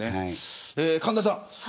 神田さん